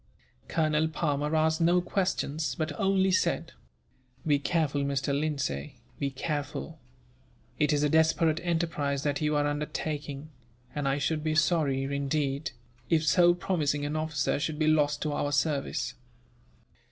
Colonel Palmer asked no questions, but only said: "Be careful, Mr. Lindsay, be careful; it is a desperate enterprise that you are undertaking, and I should be sorry, indeed, if so promising an officer should be lost to our service."